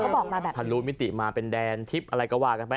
วั้นท่านรู้มิติมาเป็นแดนทิศอะไรก็ว่ากันไง